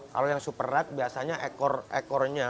kalau yang super rat biasanya ekor ekornya